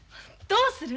どうする！？